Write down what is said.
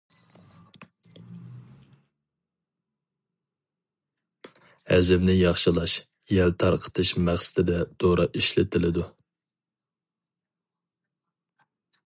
ھەزىمنى ياخشىلاش، يەل تارقىتىش مەقسىتىدە دورا ئىشلىتىلىدۇ.